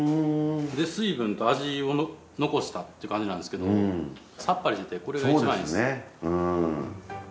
水分と味を残したって感じなんですけどさっぱりしててこれがいちばんいいです。